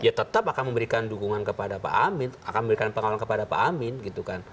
ya tetap akan memberikan dukungan kepada pak amin akan memberikan pengawalan kepada pak amin gitu kan